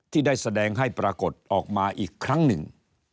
ที่ได้แสดงให้ปรากฏออกมาอีกครั้งหนึ่ง